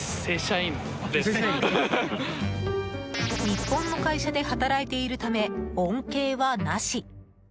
日本の会社で働いているため恩恵はなし。